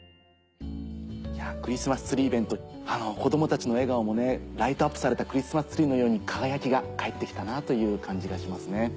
クリスマスツリーイベント子供たちの笑顔もライトアップされたクリスマスツリーのように輝きが帰って来たなという感じがしますね。